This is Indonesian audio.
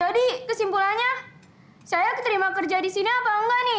jadi kesimpulannya saya terima kerja di sini apa enggak nih